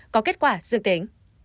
có kết quả dương tính